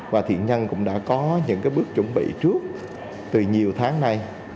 và thiện nhân cũng đã có những bước chuẩn bị trước từ nhiều tháng nay